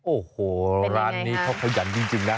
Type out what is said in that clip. โอ้โหร้านนี้เขาขยันจริงนะ